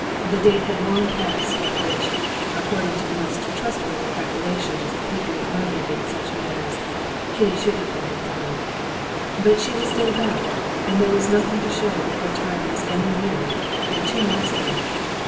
The date had long passed on which, according to the most trustworthy calculations of people learned in such matters, Kitty should have been confined. But she was still about, and there was nothing to show that her time was any nearer than two months ago.